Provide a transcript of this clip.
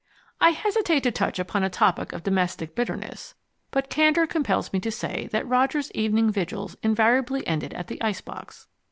I hesitate to touch upon a topic of domestic bitterness, but candor compels me to say that Roger's evening vigils invariably ended at the ice box.